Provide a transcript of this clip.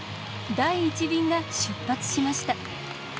第１便が出発しました。